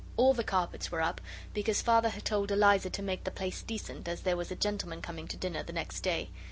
All the carpets were up, because Father had told Eliza to make the place decent as there was a gentleman coming to dinner the next day.